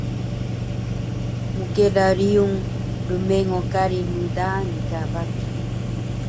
Mkela riyung rmengo kari ndaan ka baki